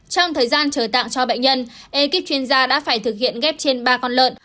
trong thời gian trở tạng cho bệnh nhân ekip chuyên gia đã phải thực hiện kép trên ba con lợn